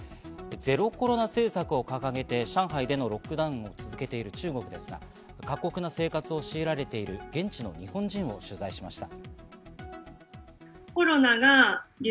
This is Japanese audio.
ゼロコロナ政策を掲げて上海でのロックダウンを続けている中国ですが、過酷な生活をしいられている現地の日本人を取材しました。